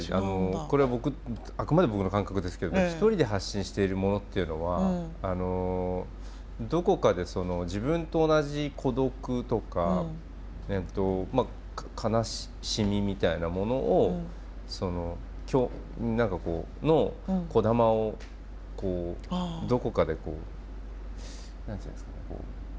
これはあくまで僕の感覚ですけど１人で発信しているものっていうのはどこかで自分と同じ孤独とか悲しみみたいなもののこだまをどこかでこう何て言うんですかね